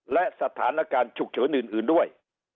และสถานการณ์ฉุกเฉินอื่นด้วย